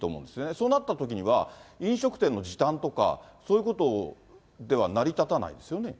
そうなったときには飲食店の時短とか、そういうことでは成り立たないですね。